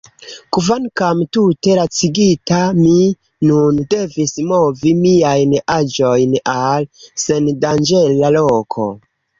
Kvankam tute lacigita, mi nun devis movi miajn aĵojn al sendanĝera loko.